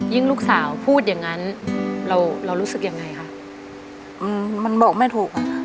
ยิ่งลูกสาวพูดอย่างงั้นเรารู้สึกยังไงค่ะมันบอกไม่ถูกค่ะ